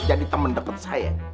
jadi temen deket saya